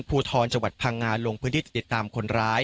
ภูทรจังหวัดพังงาลงพื้นที่ติดตามคนร้าย